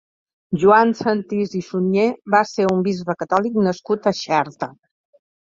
Joan Sentís i Sunyer va ser un bisbe catòlic nascut a Xerta.